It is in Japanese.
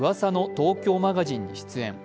東京マガジン」に出演。